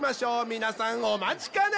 皆さんお待ちかね。